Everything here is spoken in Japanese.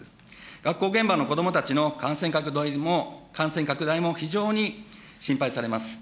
学校現場の子どもたちの感染拡大も非常に心配されます。